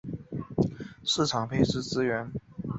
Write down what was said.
第二届至第三届采北市资优联招。